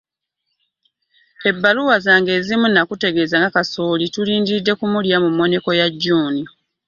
Mu bbaluwa zange ezimu nnakutegeeza nga kasooli tulindiridde okumulya mu mmoneko ya June.